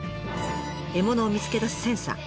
獲物を見つけ出すセンサー。